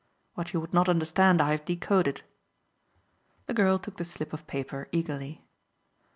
What you would not understand I have decoded." The girl took the slip of paper eagerly.